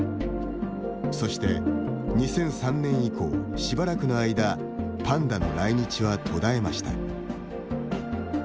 そして、２００３年以降しばらくの間パンダの来日は途絶えました。